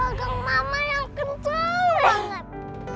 dengar mama yang kenceng banget